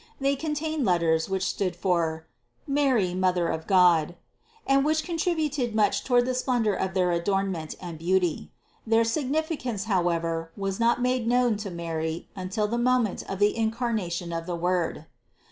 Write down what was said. They contained letters, which stood for: "Mary, Mother of God," and which contributed much toward the splendor of their adorn ment and beauty. Their significance, however, was not made known to Mary until the moment of the incarnation of the Word.